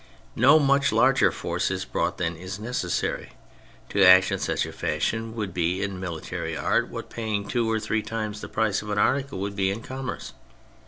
No much larger force is brought than is necessary : to act in such a fashion would be in military art what paying two or three times the price of an article M^ould be in commerce.